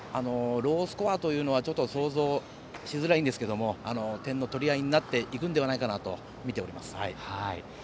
ロースコアというのは想像しづらいんですけれども点の取り合いになっていくのではとみております。